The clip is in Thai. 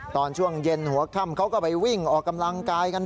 ตอนช่วงเย็นหัวค่ำเขาก็ไปวิ่งออกกำลังกายกัน